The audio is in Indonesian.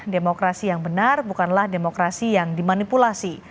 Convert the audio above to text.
demokrasi yang benar bukanlah demokrasi yang dimanipulasi